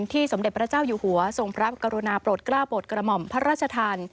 สมเด็จพระเจ้าอยู่หัวทรงพระกรุณาโปรดกล้าโปรดกระหม่อมพระราชทาน